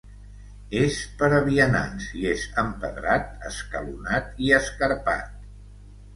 És per a vianants i és empedrat, escalonat i escarpat.